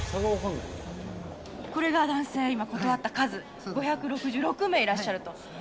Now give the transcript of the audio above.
これが男性、今、断った数５６６名いらっしゃると。